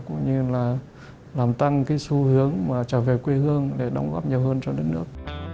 cũng như là làm tăng cái xu hướng trở về quê hương để đóng góp nhiều hơn cho đất nước